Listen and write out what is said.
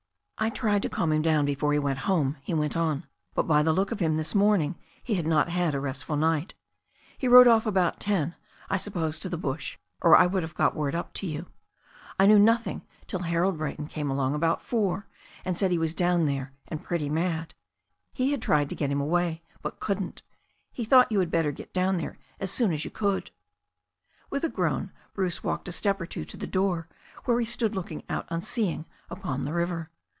"I tried to calm him down before he went home," he went on, "but by the look of him this morning he had not had a restful night He rode off about ten, I supposed to the bush, or I would have got word up to you. I knew nothing till Harold Brayton came along about four, and said he 187 l88 THE STORY OF A NEW ZEALAND RIVER was down there and pretty mad. He had tried to get him away, but couldn't. He thought you had better get down there as soon as you could." With a groan Bruce walked a step or two to the door, where he stood looking out unseeing upon the river.